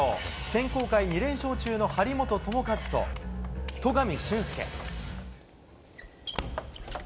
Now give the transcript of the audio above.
選考会２連勝中の張本智和と戸上隼輔。